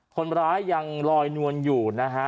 คนร้ายยังลอยนวลอยู่นะฮะ